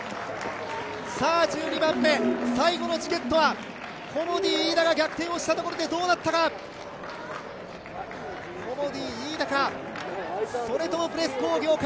１２番目、最後のチケットはコモディイイダが逆転をしたところでどうなったか、コモディイイダかそれともプレス工業か。